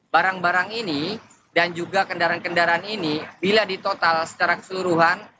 barang barang ini dan juga kendaraan kendaraan ini bila di total secara keseluruhan